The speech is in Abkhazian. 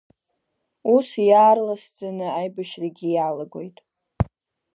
Ус иаарласӡаны аибашьрагьы иалагоит.